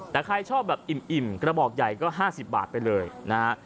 แต่ใครชอบแบบอิ่มกระบอกใหญ่ก็๕๐บาทไปเลยนะฮะ